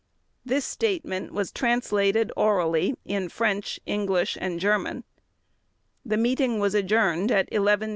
This statement was translated orally in French, English, and German. The meeting adjourned at 11:25 a.